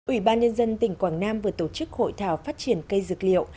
ủy ban nhân dân tỉnh quảng nam vừa tổ chức hội thảo phát triển cây dược liệu